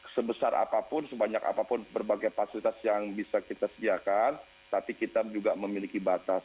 sebesar apapun sebanyak apapun berbagai fasilitas yang bisa kita sediakan tapi kita juga memiliki batas